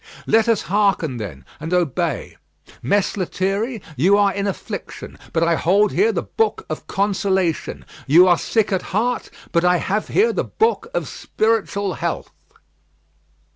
Let us hearken, then, and obey. Mess Lethierry, you are in affliction, but I hold here the book of consolation. You are sick at heart, but I have here the book of spiritual health."